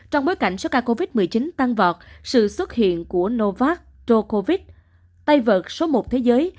trong bối cảnh số ca covid một mươi chín tăng vọt sự xuất hiện của novak djokovic tay vợt số một thế giới